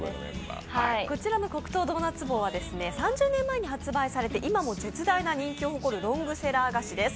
こちらの黒糖ドーナツ棒は３０年前に発売されて、今も絶大人気を誇るロングセラー菓子です。